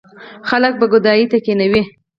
خلک به ګدايۍ ته کېنوي.